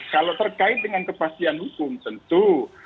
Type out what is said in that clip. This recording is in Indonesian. kalau terkait dengan kepastian hukum tentu